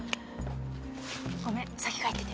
ごめん先帰ってて。